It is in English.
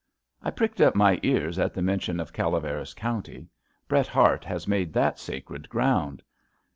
I pricked up my ears at the mention of Calaveras County. Bret Harte has made that sacred ground.